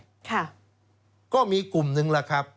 ค่ะก็มีกลุ่มหนึ่งแหละครับ